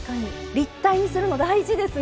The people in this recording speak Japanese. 立体にするの大事ですね。